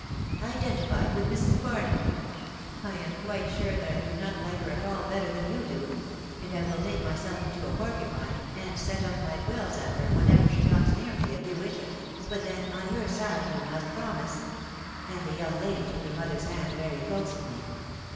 " Identified with Mrs. Barnaby ?.... I am quite sure that I do not like her at all better than you do ; and I will make myself into a porcupine, and set up my quills at her whenever she comes near me, if you wish it ; but then, on your side, you must promise ".... and the young lady took her mother's hand very coaxingly